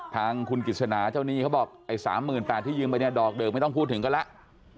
ทางคุณกิจสนาเจ้าหนี้เขาบอกไอ้๓๘๐๐ที่ยืมไปเนี่ยดอกเดิมไม่ต้องพูดถึงกันแล้ว